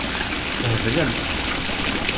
Theblemt.